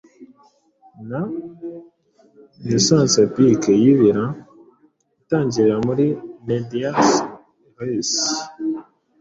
na Renaissance epic yibira: itangirira muri medias res;